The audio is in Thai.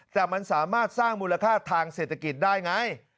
แต่มันสามารถสร้างมูลค่าทางเศรษฐกิจได้ไง